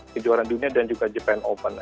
kejuaraan dunia dan juga jepang open